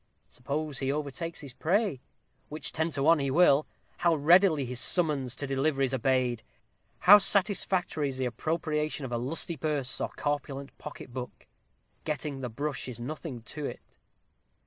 Suppose he overtakes his prey, which ten to one he will, how readily his summons to deliver is obeyed! how satisfactory is the appropriation of a lusty purse or corpulent pocket book! getting the brush is nothing to it.